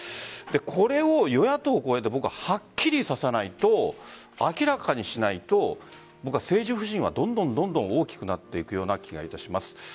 これを与野党を超えてはっきりさせないと明らかにしないと僕は政治不信はどんどん大きくなっていくような気がします。